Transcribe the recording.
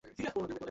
Damien কেমন আছে?